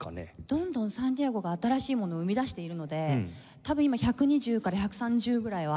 どんどんサンティアゴが新しいものを生み出しているので多分今１２０から１３０ぐらいはあるんじゃないかなと思います。